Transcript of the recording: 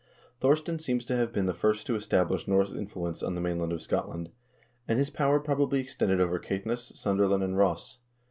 2 Thorstein seems to have been the first to establish Norse influence on the mainland of Scotland, and his power probably extended over Caithness, Sutherland, and Ross.